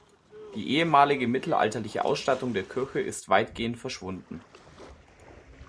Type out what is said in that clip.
Die ehemalige mittelalterliche Ausstattung der Kirche ist weitgehend verschwunden.